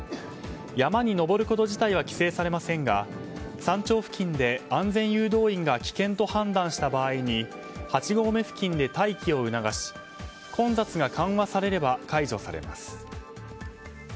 山に登ること自体は規制されませんが山頂付近で安全誘導員が危険と判断した場合に８合目付近で待機を促し混雑が緩和されれば解除されます。